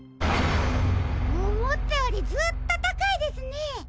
おもったよりずっとたかいですね。